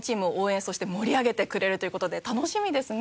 そして盛り上げてくれるという事で楽しみですね。